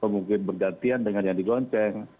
mungkin bergantian dengan yang digonceng